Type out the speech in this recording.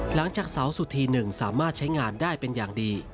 หลังจากเสาสุธีหนึ่งสามารถใช้งานได้เป็นอย่างดี